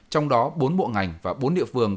trong đó bốn bộ ngành và bốn địa phương